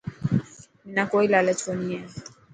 منا ڪوئي لالچ ڪوني هي.